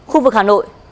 khu vực hà nội